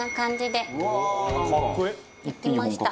できました。